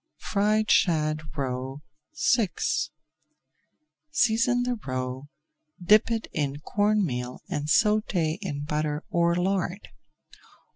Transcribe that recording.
FRIED SHAD ROE VI Season the roe, dip it in corn meal and sauté in butter or lard.